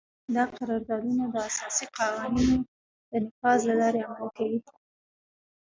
دا قراردادونه د اساسي قوانینو د نفاذ له لارې عملي کوي.